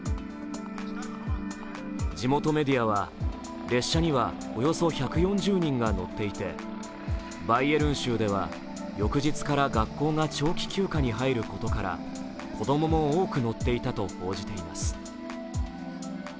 地元メディアは、列車にはおよそ１４０人が乗っていてバイエルン州では翌日から学校が長期休暇に入ることから子供も多く乗っていたと報じています。